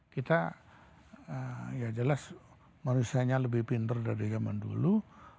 kita ya jelas manusianya lebih pinter dari zaman dulu